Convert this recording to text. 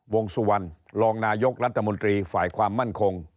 วงสุวรรณรองนายกรัฐมนตรีฝ่ายความมั่นคง